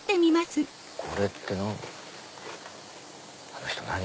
これって何？